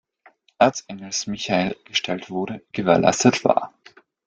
Erzengels Michael gestellt wurde, gewährleistet war.